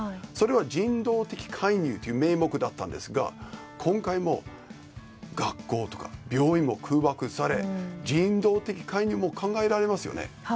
それは人道的介入という名目だったんですが今回も学校とか病院も空爆され人道的介入も考えられますよね。